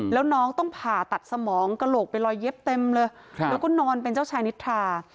แล้วน้องต้องผ่าตัดสมองกระโหลกเป็นรอยเย็บเต็มเลยแล้วก็นอนเป็นเจ้าชายนิทรา